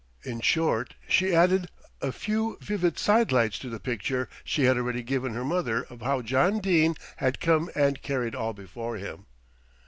In short she added a few vivid side lights to the picture she had already given her mother of how John Dene had come and carried all before him.